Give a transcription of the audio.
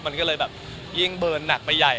มันก็เลยแบบยิ่งเบิร์นหนักไปใหญ่